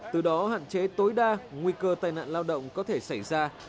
từ đó hạn chế tối đa nguy cơ tai nạn lao động có thể xảy ra